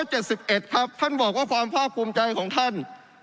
หน้า๒๗๑ครับท่านบอกว่าความภาพภูมิใจของท่าน